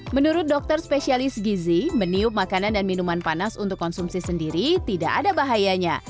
menurut dokter spesialis gizi meniup makanan dan minuman panas untuk konsumsi sendiri tidak ada bahayanya